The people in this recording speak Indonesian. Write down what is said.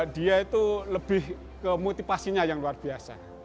dia itu lebih kemotivasinya yang luar biasa